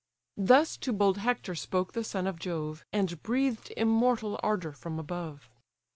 Thus to bold Hector spoke the son of Jove, And breathed immortal ardour from above.